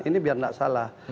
ini biar tidak salah